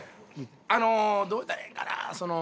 あのどう言うたらええんかな。